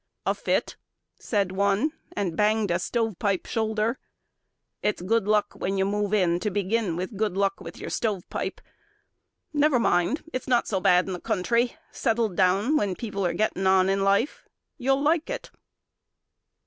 "A fit!" said one, and banged a stovepipe shoulder. "It's good luck when you move in to begin With good luck with your stovepipe. Never mind, It's not so bad in the country, settled down, When people're getting on in life. You'll like it."